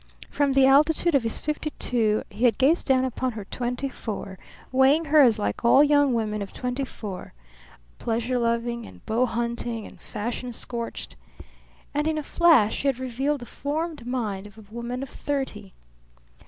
From the altitude of his fifty two he had gazed down upon her twenty four, weighing her as like all young women of twenty four pleasure loving and beau hunting and fashion scorched; and in a flash she had revealed the formed mind of a woman of thirty.